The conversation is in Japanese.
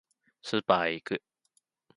スーパーへ行く